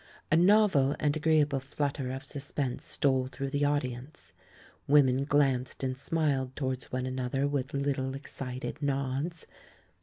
A novel and agreeable flutter of sus pense stole through the audience ; women glanced and smiled towards one another with little, ex cited nods.